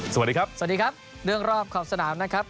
สวัสดีครับสวัสดีครับเรื่องรอบขอบสนามนะครับ